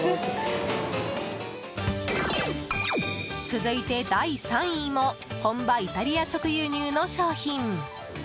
続いて第３位も本場イタリア直輸入の商品。